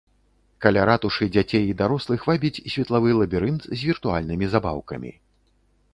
Каля ратушы дзяцей і дарослых вабіць светлавы лабірынт з віртуальнымі забаўкамі.